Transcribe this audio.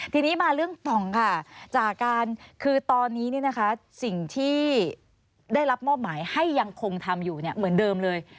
พี่ป๋องค่ะจากการคือตอนนี้นี่นะคะสิ่งที่ได้รับมอบหมายให้ยังคงทำอยู่เนี่ยเหมือนเดิมเลย